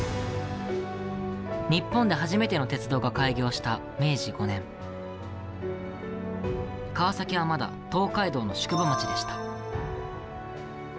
日本で初めて鉄道が開業した明治５年、川崎はまだ東海道の宿場町でした。